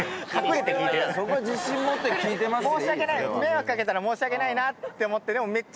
そこは自信持って「聴いてます」でいい。